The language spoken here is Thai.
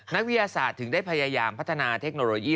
นักวิทยาศาสตร์ถึงได้พยายามพัฒนาเทคโนโลยี